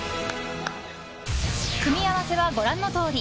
組み合わせは、ご覧のとおり。